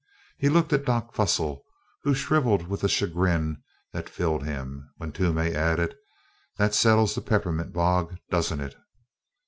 He looked at "Doc" Fussel, who shrivelled with the chagrin that filled him, when Toomey added, "That settles the peppermint bog, doesn't it?